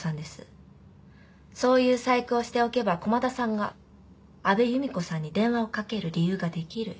そういう細工をしておけば駒田さんが安部由美子さんに電話をかける理由ができる。